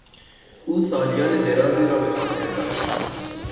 او سالیان درازی را به خاطر داشت.